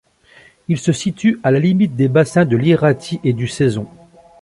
Il se situe à la limite des bassins de l'Irati et du Saison.